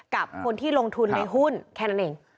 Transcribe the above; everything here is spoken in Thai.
กับคนที่ลงทุนในหุ้นแค่นั้นเอง